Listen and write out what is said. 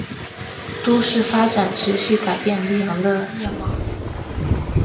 都市发展持续改变里昂的面貌。